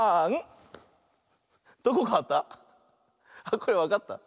これわかった？